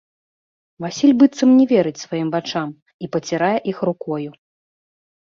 Васіль быццам не верыць сваім вачам і пацірае іх рукою.